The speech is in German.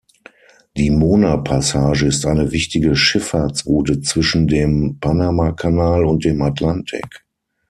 Die Mona-Passage ist eine wichtige Schifffahrtsroute zwischen dem Panamakanal und dem Atlantik.